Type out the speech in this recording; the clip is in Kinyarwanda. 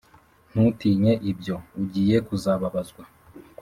Ntutinye ibyo ugiye kuzababazwa.